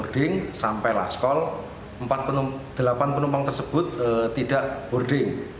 delapan penumpang tersebut tidak boarding